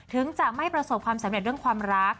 ถึงจะไม่ประสบความสำเร็จเรื่องความรัก